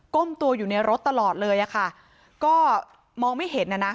้มตัวอยู่ในรถตลอดเลยอะค่ะก็มองไม่เห็นน่ะนะ